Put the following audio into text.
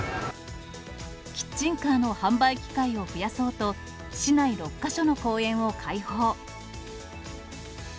キッチンカーの販売機会を増やそうと、市内６か所の公園を開放。